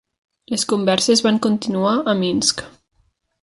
Les converses van continuar a Minsk.